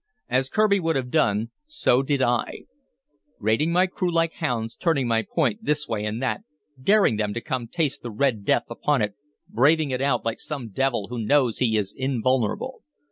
As Kirby would have done, so did I; rating my crew like hounds, turning my point this way and that, daring them to come taste the red death upon it, braving it out like some devil who knows he is invulnerable.